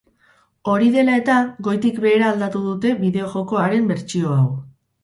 Hori dela eta, goitik behera aldatu dute bideo-joko haren bertsio hau.